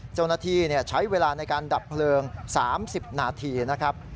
เจ้าหน้าที่ใช้เวลาในการดับเพลิง๓๐นาทีนะครับ